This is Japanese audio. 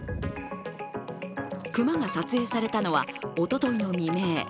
熊が撮影されたのはおとといの未明。